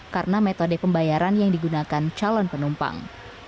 karena metode pembayaran yang digunakan calon penumpang